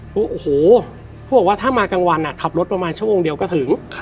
โอ้โหเขาบอกว่าถ้ามากลางวันขับรถประมาณชั่วโมงเดียวก็ถึง